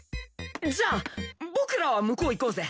じゃあ僕らは向こう行こうぜ。